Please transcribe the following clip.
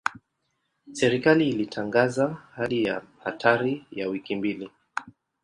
Serikali ilitangaza hali ya hatari ya wiki mbili.